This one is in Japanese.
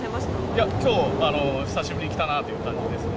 いや、きょう久しぶりに着たなという感じですね。